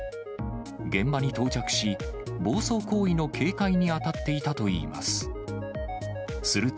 現場に到着し、暴走行為の警戒に当たっていたといいます。